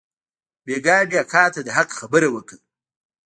بيگاه مې اکا ته د حق خبره وکړه.